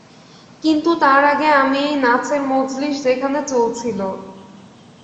কিন্তু তার আগে আমি এই নাচের মজলিশ যেখানে চলছিল।